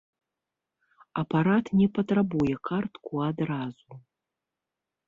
Апарат не патрабуе картку адразу.